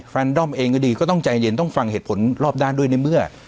แฟนดอมเองก็ดีก็ต้องใจเย็นต้องฟังเหตุผลรอบด้านด้วยในเมื่อ